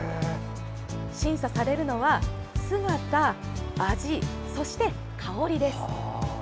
審査されるのは姿、味、そして香りです。